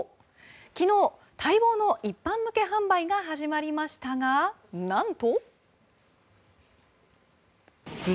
昨日、待望の一般向け販売が始まりましたが、なんと。